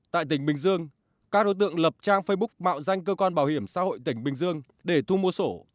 tại tỉnh bình dương các đối tượng lập trang facebook mạo danh cơ quan bảo hiểm xã hội tỉnh bình dương để thu mua sổ